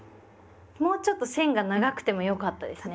もうちょっと線が長くてもよかったですね。